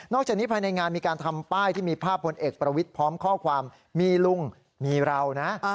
จากนี้ภายในงานมีการทำป้ายที่มีภาพพลเอกประวิทย์พร้อมข้อความมีลุงมีเรานะ